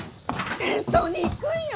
戦争に行くんよ！？